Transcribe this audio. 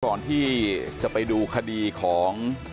ก่อนที่จะไปดูคดีของ